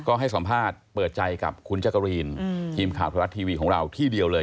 ก็ให้สัมภาษณ์เปิดใจกับคุณจักรีนทีมข่าวธรรมรัฐทีวีของเราที่เดียวเลย